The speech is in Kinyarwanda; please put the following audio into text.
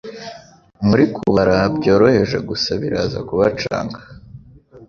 Muri Kubara Byoroheje Gusa biraza kubacanga